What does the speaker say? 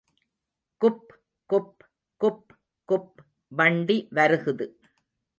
குப்குப் குப்குப் வண்டி வருகுது.